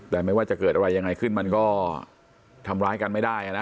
แต่ไม่ว่าจะเกิดอะไรยังไงขึ้นมันก็ทำร้ายกันไม่ได้นะ